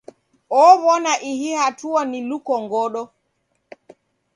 Ow'ona ihi hatua ni lukongodo.